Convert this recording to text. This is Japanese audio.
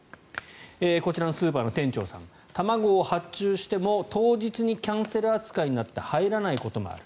こちらのスーパーの店長さん卵を発注しても当日にキャンセル扱いになって入らないこともある。